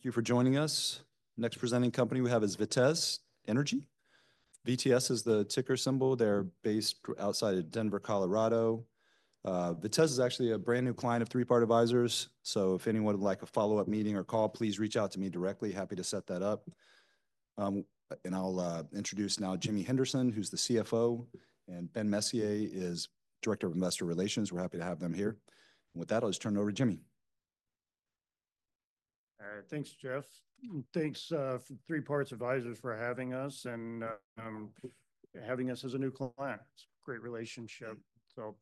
Thank you for joining us. Next presenting company we have is Vitesse Energy. VTS is the ticker symbol. They're based outside of Denver, Colorado. Vitesse is actually a brand new client of Three Part Advisors. So if anyone would like a follow-up meeting or call, please reach out to me directly. Happy to set that up, and I'll introduce now Jimmy Henderson, who's the CFO, and Ben Messier is Director of Investor Relations. We're happy to have them here, and with that, I'll just turn it over to Jimmy. All right. Thanks, Jeff. Thanks, Three Part Advisors for having us and having us as a new client. It's a great relationship. So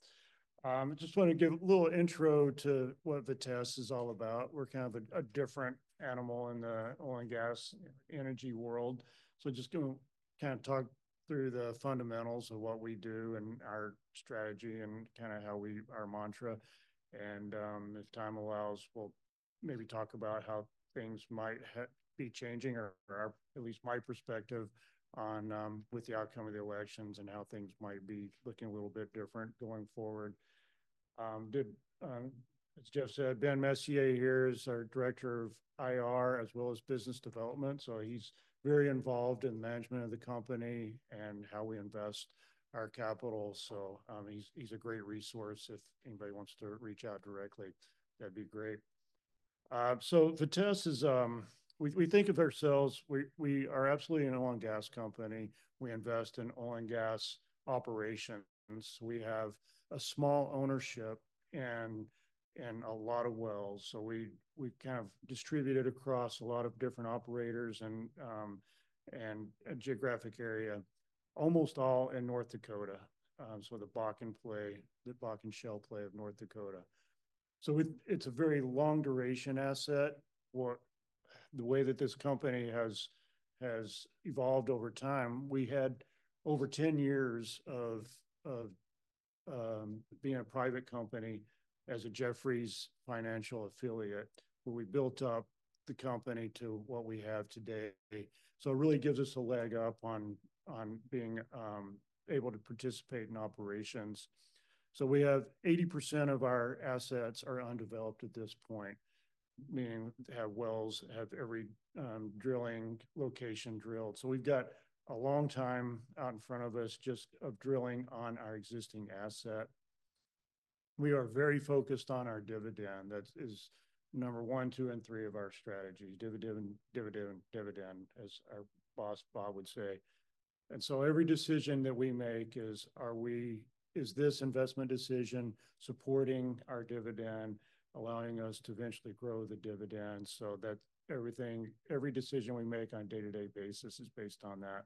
I just want to give a little intro to what Vitesse is all about. We're kind of a different animal in the oil and gas energy world. So just gonna kind of talk through the fundamentals of what we do and our strategy and kind of how we, our mantra, and if time allows, we'll maybe talk about how things might be changing, or at least my perspective on, with the outcome of the elections and how things might be looking a little bit different going forward, as Jeff said, Ben Messier here is our Director of IR as well as Business Development. So he's a great resource. If anybody wants to reach out directly, that'd be great, so Vitesse is, we think of ourselves, we are absolutely an oil and gas company. We invest in oil and gas operations. We have a small ownership and a lot of wells. So we kind of distribute it across a lot of different operators and a geographic area, almost all in North Dakota, so the Bakken Play, the Bakken Shale Play of North Dakota. So it's a very long duration asset. What the way that this company has evolved over time, we had over 10 years of being a private company as a Jefferies financial affiliate, where we built up the company to what we have today. So it really gives us a leg up on being able to participate in operations. So we have 80% of our assets are undeveloped at this point, meaning have wells, have every drilling location drilled, so we've got a long time out in front of us just of drilling on our existing asset. We are very focused on our dividend. That is number one, two, and three of our strategies: dividend, dividend, dividend, as our boss Bob would say. And so every decision that we make is this investment decision supporting our dividend, allowing us to eventually grow the dividend so that everything, every decision we make on a day-to-day basis is based on that.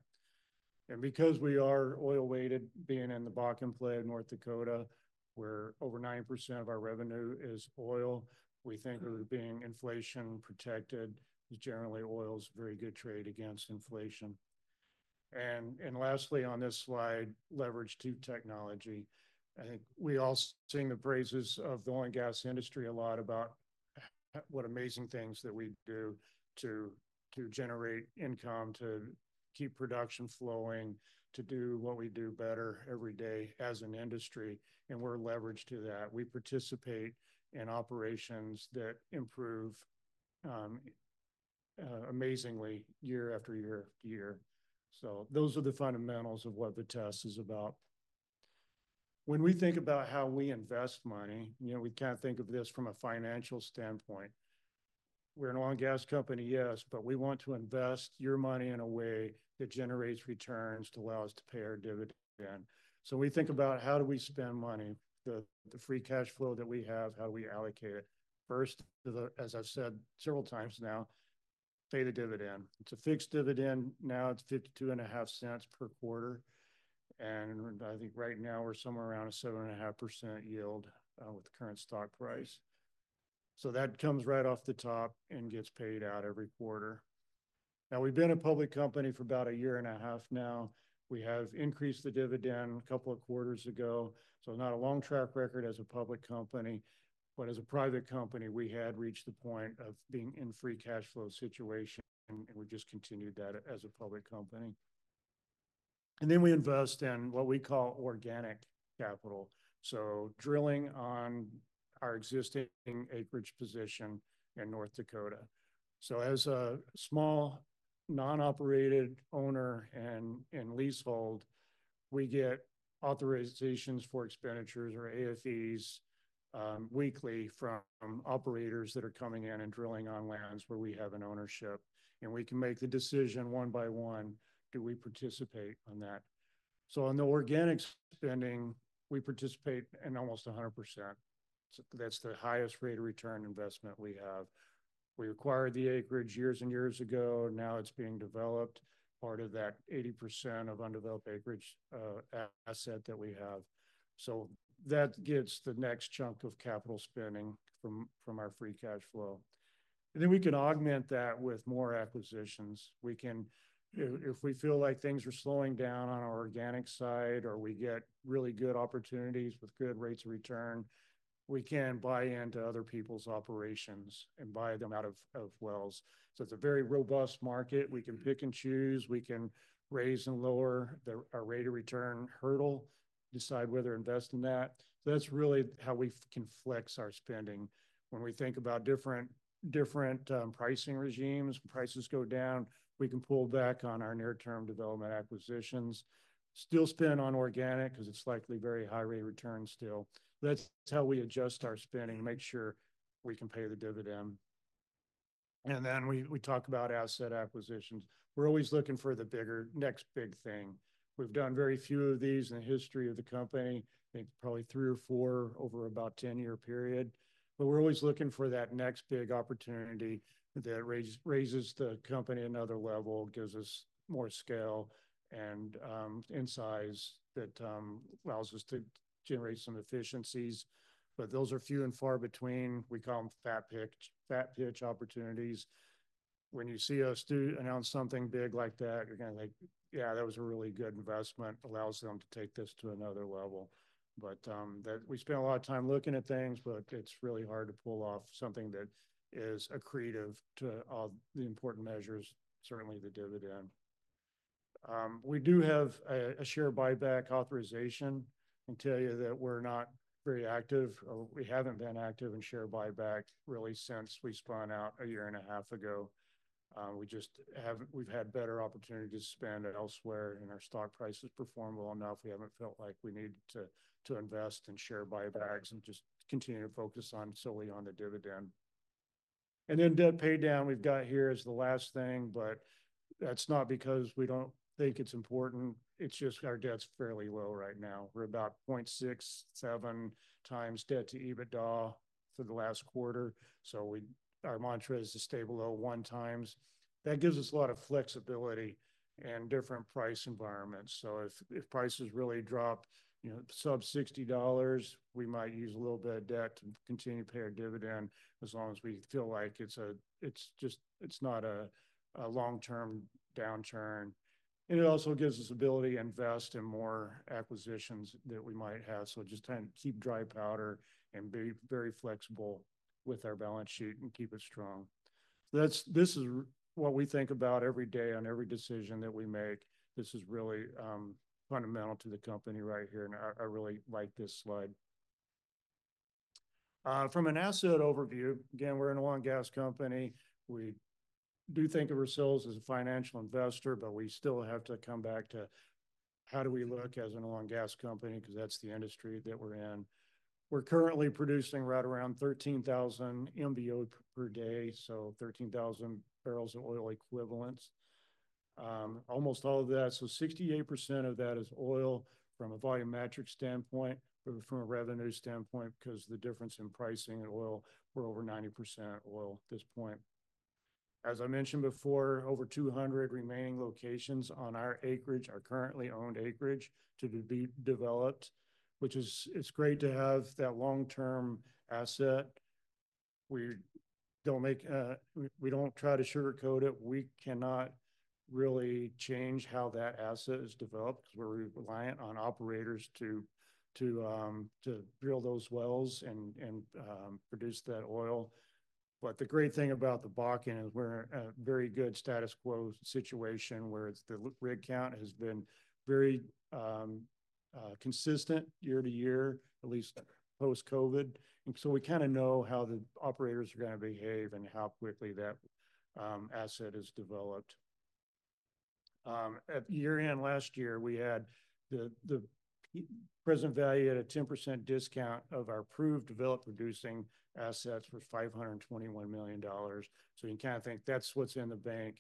And because we are oil-weighted, being in the Bakken Play of North Dakota, where over 90% of our revenue is oil, we think of it being inflation protected, because generally oil's a very good trade against inflation. And lastly on this slide, leverage to technology. I think we all see the praises of the oil and gas industry a lot about what amazing things that we do to, to generate income, to keep production flowing, to do what we do better every day as an industry, and we're leveraged to that. We participate in operations that improve, amazingly year after year after year, so those are the fundamentals of what Vitesse is about. When we think about how we invest money, you know, we kind of think of this from a financial standpoint. We're an oil and gas company, yes, but we want to invest your money in a way that generates returns to allow us to pay our dividend, so we think about how do we spend money, the free cash flow that we have, how do we allocate it? First, as I've said several times now, pay the dividend. It's a fixed dividend. Now it's $52.5 per quarter. And I think right now we're somewhere around a 7.5% yield with the current stock price. So that comes right off the top and gets paid out every quarter. Now we've been a public company for about a year and a half now. We have increased the dividend a couple of quarters ago. So not a long track record as a public company, but as a private company, we had reached the point of being in free cash flow situation, and we just continued that as a public company. And then we invest in what we call organic capital. So drilling on our existing acreage position in North Dakota. So as a small non-operated owner and leasehold, we get authorizations for expenditures or AFEs weekly from operators that are coming in and drilling on lands where we have an ownership. And we can make the decision one by one, do we participate on that? So on the organic spending, we participate in almost 100%. That's the highest rate of return investment we have. We acquired the acreage years and years ago. Now it's being developed, part of that 80% of undeveloped acreage, asset that we have. So that gets the next chunk of capital spending from our free cash flow. And then we can augment that with more acquisitions. We can, if we feel like things are slowing down on our organic side, or we get really good opportunities with good rates of return, we can buy into other people's operations and buy them out of wells. So it's a very robust market. We can pick and choose. We can raise and lower our rate of return hurdle, decide whether to invest in that. That's really how we can flex our spending. When we think about different pricing regimes, prices go down, we can pull back on our near-term development acquisitions, still spend on organic because it's likely very high rate of return still. That's how we adjust our spending to make sure we can pay the dividend. Then we talk about asset acquisitions. We're always looking for the bigger next big thing. We've done very few of these in the history of the company. I think probably three or four over about a 10-year period. But we're always looking for that next big opportunity that raises the company another level, gives us more scale and in size that allows us to generate some efficiencies. But those are few and far between. We call them fat pitch opportunities. When you see us do announce something big like that, you're going to think, yeah, that was a really good investment, allows them to take this to another level. But that we spend a lot of time looking at things, but it's really hard to pull off something that is accretive to all the important measures, certainly the dividend. We do have a share buyback authorization. I can tell you that we're not very active. We haven't been active in share buyback really since we spun out a year and a half ago. We just haven't, we've had better opportunity to spend elsewhere and our stock price has performed well enough. We haven't felt like we need to invest in share buybacks and just continue to focus solely on the dividend. Debt pay down we've got here is the last thing, but that's not because we don't think it's important. It's just our debt's fairly low right now. We're about 0.67x debt to EBITDA for the last quarter. Our mantra is to stay below one times. That gives us a lot of flexibility and different price environments. If prices really drop, you know, sub $60, we might use a little bit of debt to continue to pay our dividend as long as we feel like it's just not a long-term downturn. It also gives us the ability to invest in more acquisitions that we might have. Just kind of keep dry powder and be very flexible with our balance sheet and keep it strong. So that's this is what we think about every day on every decision that we make. This is really fundamental to the company right here. And I really like this slide. From an asset overview, again, we're an oil and gas company. We do think of ourselves as a financial investor, but we still have to come back to how do we look as an oil and gas company because that's the industry that we're in. We're currently producing right around 13,000 MBO per day. So 13,000 barrels of oil equivalents. Almost all of that. So 68% of that is oil from a volume metric standpoint, but from a revenue standpoint, because the difference in pricing and oil, we're over 90% oil at this point. As I mentioned before, over 200 remaining locations on our acreage, our currently owned acreage to be developed, which is. It's great to have that long-term asset. We don't make, we don't try to sugarcoat it. We cannot really change how that asset is developed because we're reliant on operators to drill those wells and produce that oil. But the great thing about the Bakken is we're in a very good status quo situation where the rig count has been very consistent year to year, at least post-COVID. And so we kind of know how the operators are going to behave and how quickly that asset is developed. At year-end last year, we had the present value at a 10% discount of our proved developed producing assets for $521 million. So you can kind of think that's what's in the bank.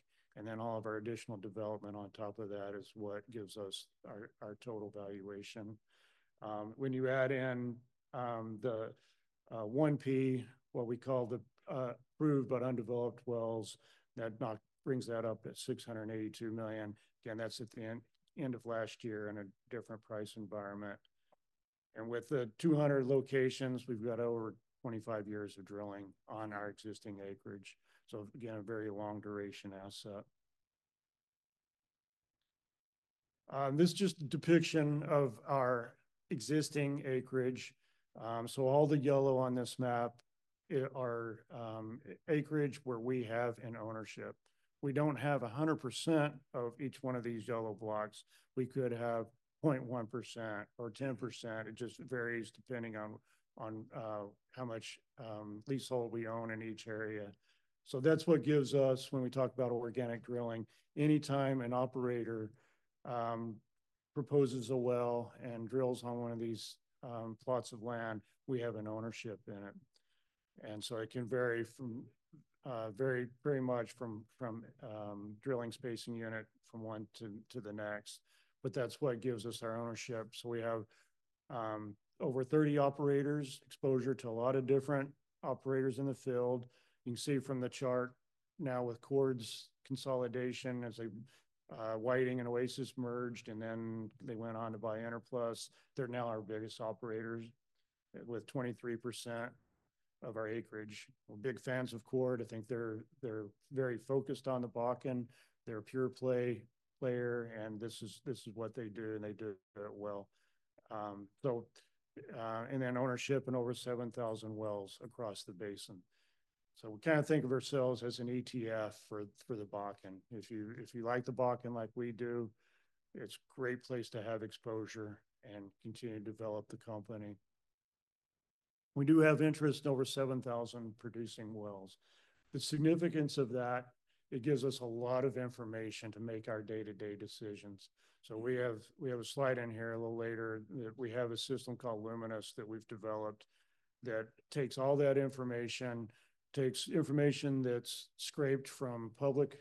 All of our additional development on top of that is what gives us our total valuation. When you add in the 1P, what we call the proved but undeveloped wells, that now brings that up to $682 million. Again, that's at the end of last year in a different price environment. With the 200 locations, we've got over 25 years of drilling on our existing acreage. So again, a very long duration asset. This is just a depiction of our existing acreage. So all the yellow on this map is acreage where we have an ownership. We don't have 100% of each one of these yellow blocks. We could have 0.1% or 10%. It just varies depending on how much leasehold we own in each area. So that's what gives us, when we talk about organic drilling, anytime an operator proposes a well and drills on one of these plots of land, we have an ownership in it. It can vary very much from one drilling spacing unit to the next. But that's what gives us our ownership. We have over 30 operators, exposure to a lot of different operators in the field. You can see from the chart now with Chord's consolidation as they, Whiting and Oasis merged, and then they went on to buy Enerplus. They're now our biggest operators with 23% of our acreage. We're big fans of Chord. I think they're very focused on the Bakken. They're a pure play player, and this is what they do, and they do it well. So, and then ownership in over 7,000 wells across the basin. We kind of think of ourselves as an ETF for the Bakken. If you like the Bakken like we do, it's a great place to have exposure and continue to develop the company. We do have interest in over 7,000 producing wells. The significance of that, it gives us a lot of information to make our day-to-day decisions. We have a slide in here a little later that we have a system called Luminus that we've developed that takes all that information, information that's scraped from public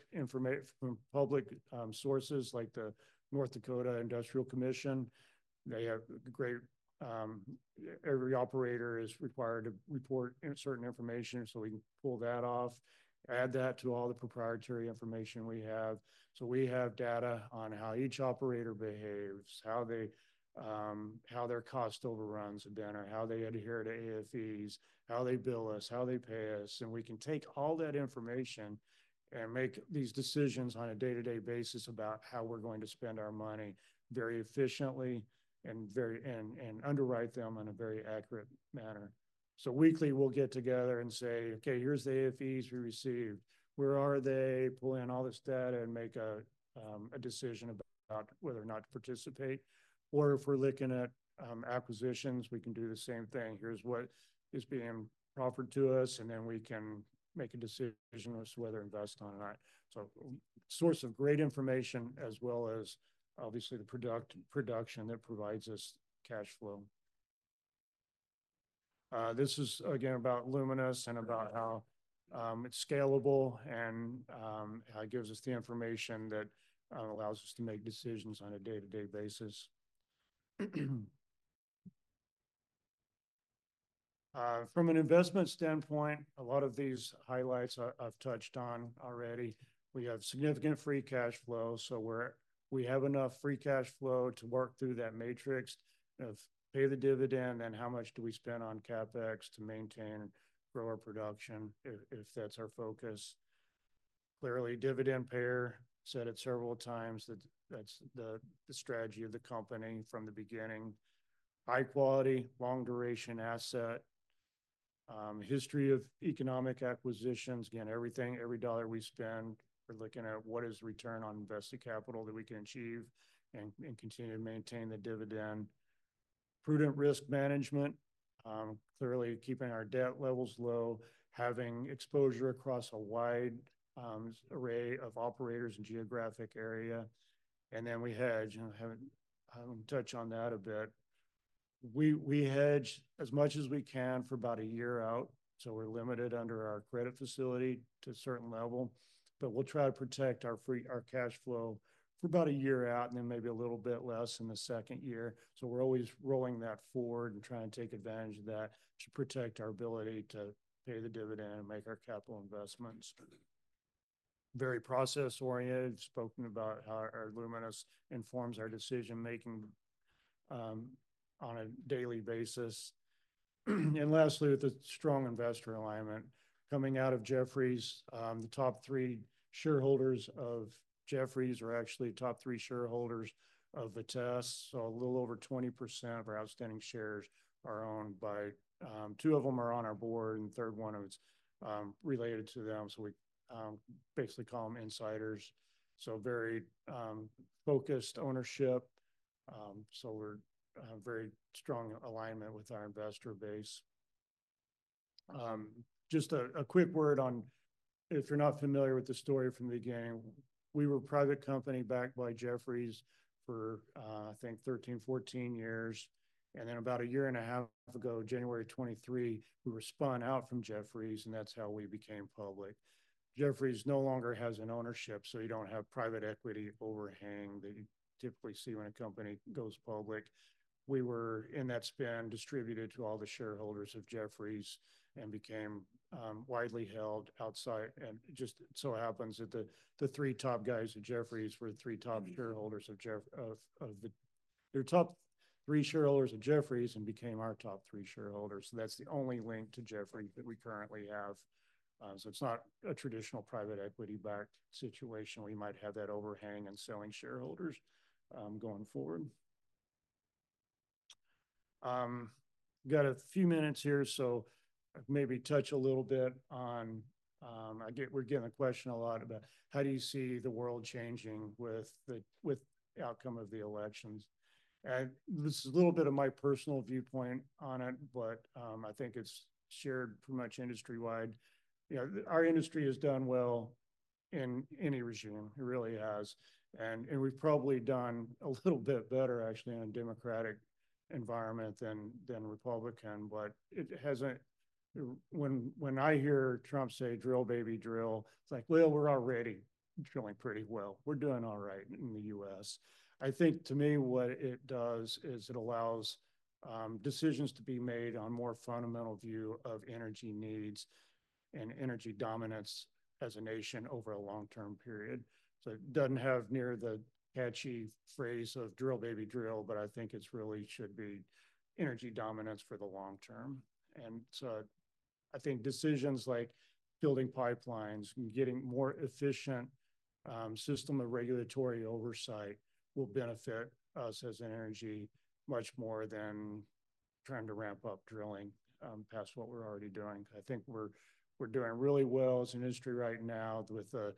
sources like the North Dakota Industrial Commission. They have great, every operator is required to report certain information. So we can pull that off, add that to all the proprietary information we have. We have data on how each operator behaves, how their cost overruns have been or how they adhere to AFEs, how they bill us, how they pay us. We can take all that information and make these decisions on a day-to-day basis about how we're going to spend our money very efficiently and underwrite them in a very accurate manner. Weekly we'll get together and say, okay, here's the AFEs we received. Where are they? Pull in all this data and make a decision about whether or not to participate. Or if we're looking at acquisitions, we can do the same thing. Here's what is being offered to us, and then we can make a decision as to whether to invest on it or not. Source of great information as well as obviously the product production that provides us cash flow. This is again about Luminus and about how it's scalable and how it gives us the information that allows us to make decisions on a day-to-day basis. From an investment standpoint, a lot of these highlights I've touched on already. We have significant free cash flow. We have enough free cash flow to work through that matrix of pay the dividend and how much do we spend on CapEx to maintain and grow our production if that's our focus. Clearly, dividend payer said it several times that that's the strategy of the company from the beginning. High quality, long duration asset, history of economic acquisitions. Again, everything, every dollar we spend, we're looking at what is return on invested capital that we can achieve and continue to maintain the dividend. Prudent risk management, clearly keeping our debt levels low, having exposure across a wide array of operators and geographic area. Then we hedge, and I haven't touched on that a bit. We hedge as much as we can for about a year out. So we're limited under our credit facility to a certain level, but we'll try to protect our free cash flow for about a year out and then maybe a little bit less in the second year. So we're always rolling that forward and trying to take advantage of that to protect our ability to pay the dividend and make our capital investments. Very process-oriented, spoken about how our Luminous informs our decision-making on a daily basis. Lastly, with a strong investor alignment coming out of Jefferies, the top three shareholders of Jefferies are actually top three shareholders of Vitesse. A little over 20% of our outstanding shares are owned by them. Two of them are on our board and the third one of its related to them. We basically call them insiders. Very focused ownership. We're very strong alignment with our investor base. Just a quick word on if you're not familiar with the story from the beginning, we were a private company backed by Jefferies for, I think, 13-14 years. About a year and a half ago, January 23, we were spun out from Jefferies and that's how we became public. Jefferies no longer has an ownership, so you don't have private equity overhang that you typically see when a company goes public. We were, in that span, distributed to all the shareholders of Jefferies and became widely held outside. And just so happens that the three top guys at Jefferies were the three top shareholders of Jefferies. They're the top three shareholders of Jefferies and became our top three shareholders. So that's the only link to Jefferies that we currently have. So it's not a traditional private equity backed situation. We might not have that overhang and selling shareholders, going forward. Got a few minutes here. So I've maybe touched a little bit on. I get, we're getting a question a lot about how do you see the world changing with the outcome of the elections. And this is a little bit of my personal viewpoint on it, but I think it's shared pretty much industry wide. You know, our industry has done well in any regime. It really has. We've probably done a little bit better actually in a Democratic environment than Republican. But it hasn't. When I hear Trump say, "Drill, baby, drill," it's like, well, we're already drilling pretty well. We're doing all right in the U.S. I think to me what it does is it allows decisions to be made on a more fundamental view of energy needs and energy dominance as a nation over a long-term period. It doesn't have near the catchy phrase of "Drill, baby, drill," but I think it really should be energy dominance for the long-term. I think decisions like building pipelines and getting more efficient system of regulatory oversight will benefit us as an energy much more than trying to ramp up drilling past what we're already doing. I think we're doing really well as an industry right now with a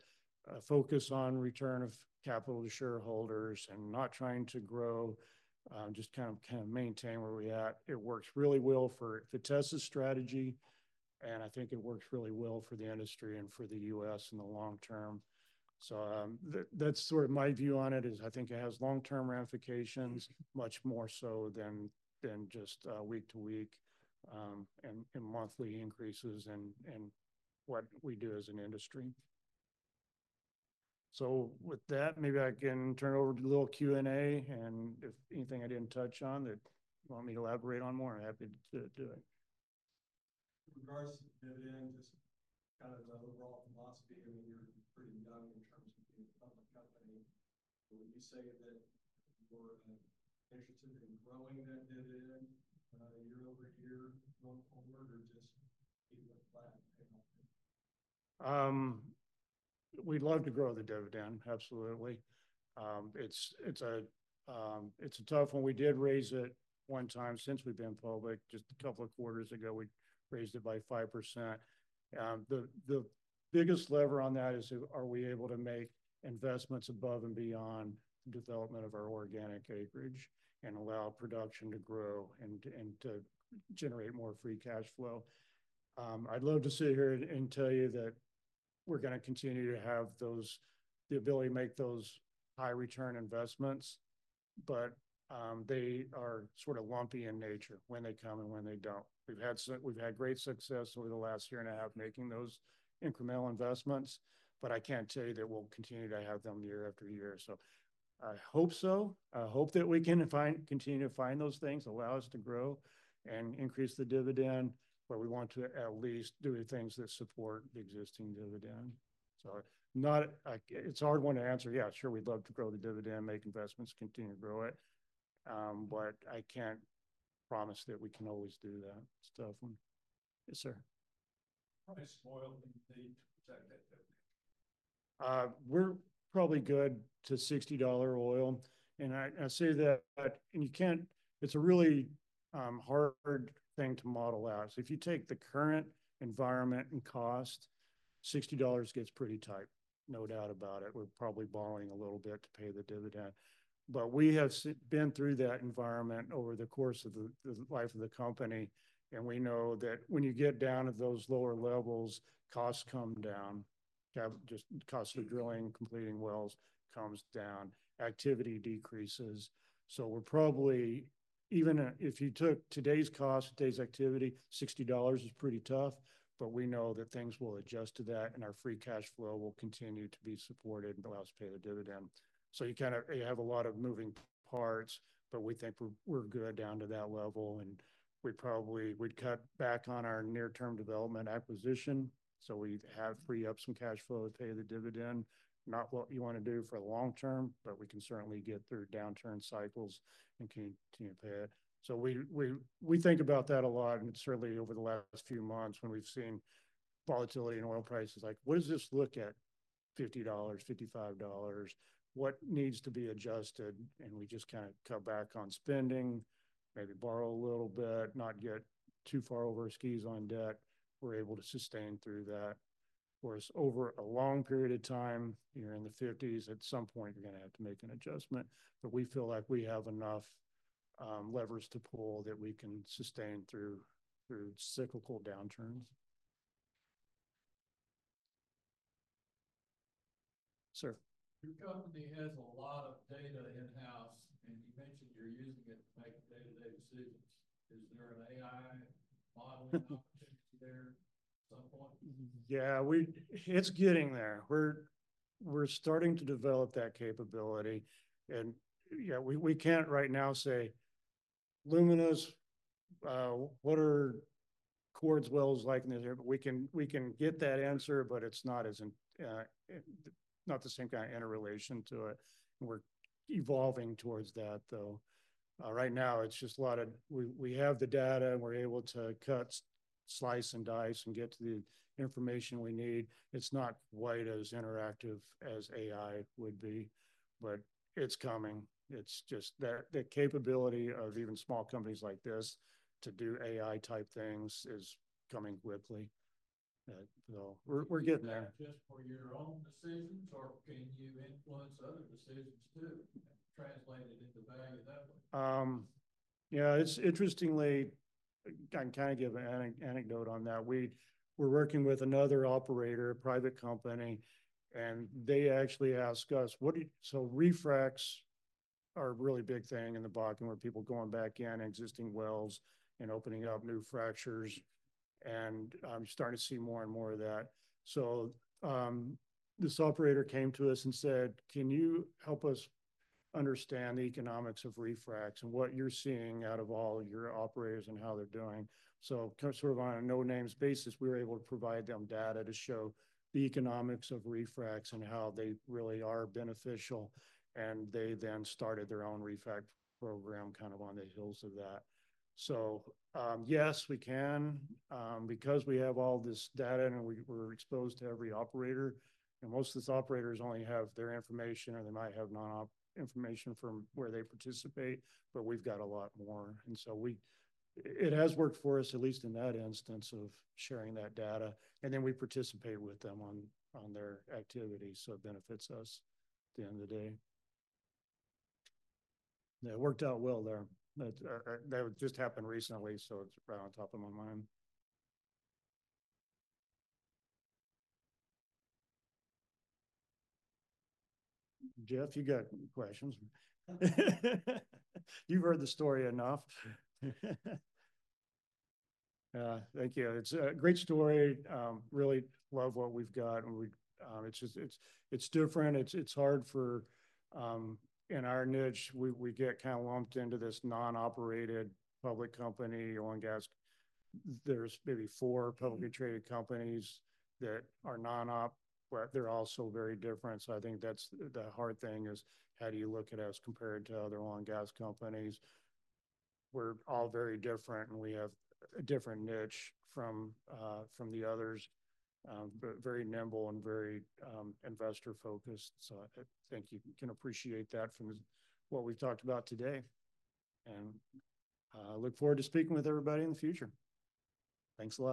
focus on return of capital to shareholders and not trying to grow, just kind of maintain where we're at. It works really well for Vitesse's strategy, and I think it works really well for the industry and for the U.S. in the long-term. So, that's sort of my view on it is I think it has long-term ramifications much more so than just week to week, and monthly increases and what we do as an industry. So with that, maybe I can turn it over to the little Q&A, and if anything I didn't touch on that you want me to elaborate on more, I'm happy to do it. In regards to the dividend, just kind of the overall philosophy, I mean, you're pretty young in terms of being a public company. Would you say that you're aggressive in growing that dividend, year over year going forward, or just keep it flat? We'd love to grow the dividend. Absolutely. It's a tough one. We did raise it one time since we've been public, just a couple of quarters ago. We raised it by 5%. The biggest lever on that is, are we able to make investments above and beyond the development of our organic acreage and allow production to grow and to generate more free cash flow? I'd love to sit here and tell you that we're going to continue to have those, the ability to make those high return investments, but they are sort of lumpy in nature when they come and when they don't. We've had great success over the last year and a half making those incremental investments, but I can't tell you that we'll continue to have them year after year, so I hope so. I hope that we can find, continue to find those things, allow us to grow and increase the dividend where we want to at least do the things that support the existing dividend, so it's a hard one to answer. Yeah, sure, we'd love to grow the dividend, make investments, continue to grow it, but I can't promise that we can always do that stuff. Yes, sir. How much oil do you need to protect that dividend? We're probably good to $60 oil. And I say that, and you can't. It's a really hard thing to model out. So if you take the current environment and cost, $60 gets pretty tight, no doubt about it. We're probably borrowing a little bit to pay the dividend. But we have been through that environment over the course of the life of the company. And we know that when you get down to those lower levels, costs come down. You have just costs of drilling, completing wells comes down, activity decreases. So we're probably, even if you took today's cost, today's activity, $60 is pretty tough, but we know that things will adjust to that and our free cash flow will continue to be supported and allow us to pay the dividend. So you kind of have a lot of moving parts, but we think we're good down to that level and we probably we'd cut back on our near-term development acquisition. So we have free up some cash flow to pay the dividend, not what you want to do for a long term, but we can certainly get through downturn cycles and continue to pay it. So we think about that a lot and certainly over the last few months when we've seen volatility in oil prices, like what does this look at $50-$55? What needs to be adjusted? And we just kind of cut back on spending, maybe borrow a little bit, not get too far over our skis on debt. We're able to sustain through that. Of course, over a long period of time, you're in the 50s, at some point you're going to have to make an adjustment, but we feel like we have enough, levers to pull that we can sustain through, through cyclical downturns. Sir. Your company has a lot of data in-house and you mentioned you're using it to make day-to-day decisions. Is there an AI modeling opportunity there at some point? Yeah, we, it's getting there. We're, we're starting to develop that capability. And yeah, we, we can't right now say Luminous, what are Chord's wells like in this area? But we can, we can get that answer, but it's not as, not the same kind of interrelation to it. And we're evolving towards that though. Right now it's just a lot of, we have the data and we're able to cut, slice and dice and get to the information we need. It's not quite as interactive as AI would be, but it's coming. It's just that capability of even small companies like this to do AI type things is coming quickly. So we're getting there. Just for your own decisions or can you influence other decisions too and translate it into value that way? Yeah, it's interestingly, I can kind of give an anecdote on that. We, we're working with another operator, a private company, and they actually asked us, so refracs are a really big thing in the Bakken and we're seeing people going back in existing wells and opening up new fractures and I'm starting to see more and more of that. So, this operator came to us and said, "Can you help us understand the economics of refracs and what you're seeing out of all your operators and how they're doing?" So, kind of sort of on a no-names basis, we were able to provide them data to show the economics of refracs and how they really are beneficial, and they then started their own refract program kind of on the heels of that, so yes, we can because we have all this data and we, we're exposed to every operator and most of these operators only have their information or they might have non-op information from where they participate, but we've got a lot more, and so it has worked for us at least in that instance of sharing that data and then we participate with them on their activity. So it benefits us at the end of the day. That worked out well there. That's just happened recently, so it's right on top of my mind. Jeff, you got questions? You've heard the story enough. Thank you. It's a great story. Really love what we've got. And we, it's just, it's different. It's hard for, in our niche, we get kind of lumped into this non-operated public company oil and gas. There's maybe four publicly traded companies that are non-op, but they're all so very different. So I think that's the hard thing is how do you look at us compared to other oil and gas companies? We're all very different and we have a different niche from the others, but very nimble and very investor focused. So I think you can appreciate that from what we've talked about today. Look forward to speaking with everybody in the future. Thanks a lot.